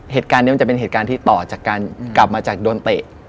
เหตุการณ์นี้มันจะเป็นเหตุการณ์ที่ต่อจากการกลับมาจากโดนเตะ